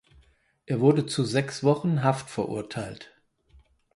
Er wurde zu sechs Wochen Haft verurteilt.